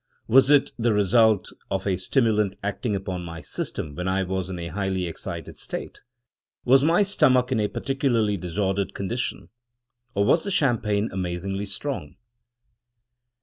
Was it the result of a stimulant acting upon my system when I was in a highly excited state? Was my stomach in a particularly disordered condition? Or was the Champagne amazingly strong?